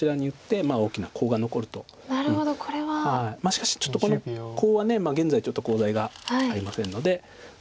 しかしちょっとこのコウは現在ちょっとコウ材がありませんので。